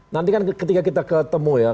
nanti kan ketika kita ketemu ya